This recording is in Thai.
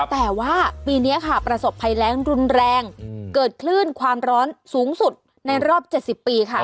แต่ว่าปีนี้ค่ะประสบภัยแรงรุนแรงเกิดคลื่นความร้อนสูงสุดในรอบ๗๐ปีค่ะ